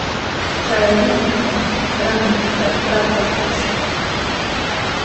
Chay rumitraw trakinta takakushqa.